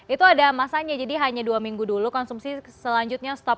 itu ada masanya jadi hanya dua minggu dulu konsumsi selanjutnya stop